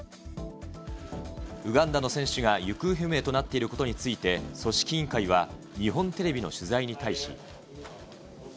ウガンダの選手が行方不明となっていることについて組織委員会は、日本テレビの取材に対し。